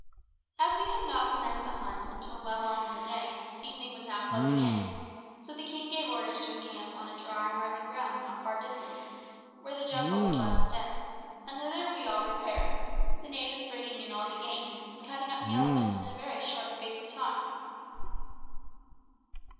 As we had not commenced the hunt until well on in the day, evening was now closing in; so the king gave orders to encamp on a dry rising ground not far distant, where the jungle was less dense, and thither we all repaired, the natives bringing in all the game, and cutting up the elephants in a very short space of time.